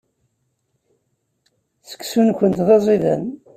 Seksu-nwent d aẓidan.